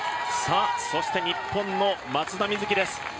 そして日本の松田瑞生です。